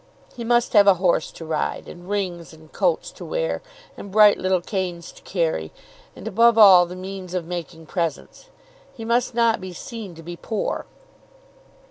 He must have a horse to ride, and rings and coats to wear, and bright little canes to carry, and above all the means of making presents. He must not be seen to be poor.